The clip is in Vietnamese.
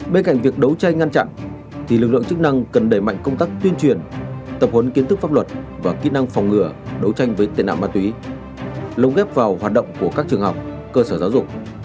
bên cạnh việc đấu tranh ngăn chặn thì lực lượng chức năng cần đẩy mạnh công tác tuyên truyền tập huấn kiến thức pháp luật và kỹ năng phòng ngừa đấu tranh với tệ nạn ma túy lông ghép vào hoạt động của các trường học cơ sở giáo dục